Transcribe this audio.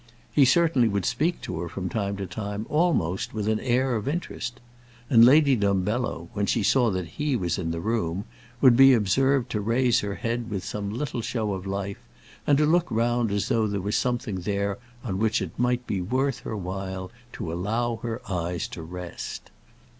He certainly would speak to her from time to time almost with an air of interest; and Lady Dumbello, when she saw that he was in the room, would be observed to raise her head with some little show of life, and to look round as though there were something there on which it might be worth her while to allow her eyes to rest.